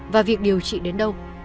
và việc điều trị đến đâu